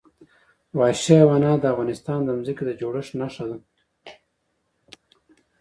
وحشي حیوانات د افغانستان د ځمکې د جوړښت نښه ده.